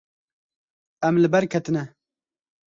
Em li ber ketine.